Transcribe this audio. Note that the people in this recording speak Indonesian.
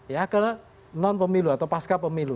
ya ke non pemilu atau pasca pemilu